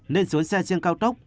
nên xuống xe trên cao tốc